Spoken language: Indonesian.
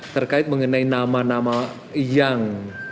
terkait mengenai nama nama yang